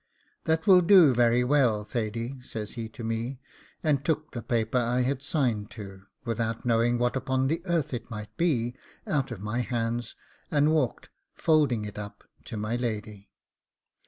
'That will do very well, Thady,' says he to me, and took the paper I had signed to, without knowing what upon the earth it might be, out of my hands, and walked, folding it up, to my lady.